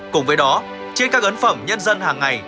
cùng với đó trên các ấn phẩm nhân dân hàng ngày